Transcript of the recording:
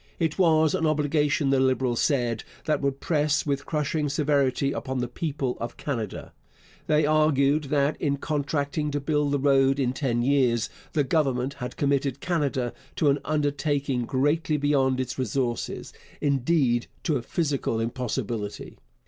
It was an obligation, the Liberals said, that would press with crushing severity upon the people of Canada. They argued that in contracting to build the road in ten years the Government had committed Canada to an undertaking greatly beyond its resources; indeed, to a physical impossibility.